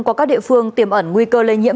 qua các địa phương tiềm ẩn nguy cơ lây nhiễm